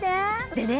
でね